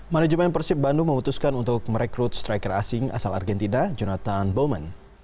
manajemen persib bandung memutuskan untuk merekrut striker asing asal argentina jonathan bowman